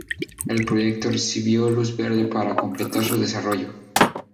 El proyecto recibió luz verde para completar su desarrollo.